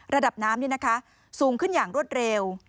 ระดับน้ำเนี่ยนะคะสูงขึ้นอย่างรวดเร็ว